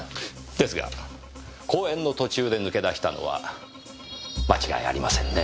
ですが講演の途中で抜け出したのは間違いありませんね。